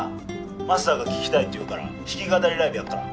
マスターが聴きたいって言うから弾き語りライブやっから。